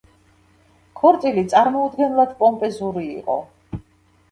ქორწილი წარმოუდგენლად პომპეზური იყო.